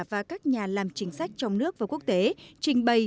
và các nhà làm chính sách trong nước và quốc tế trình bày